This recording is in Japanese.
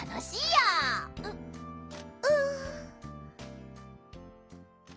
ううん。